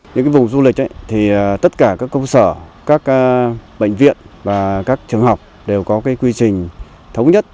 những vùng du lịch tất cả các công sở các bệnh viện và các trường hợp đều có quy trình thống nhất